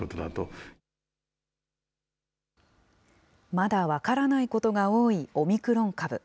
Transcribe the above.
まだ分からないことが多いオミクロン株。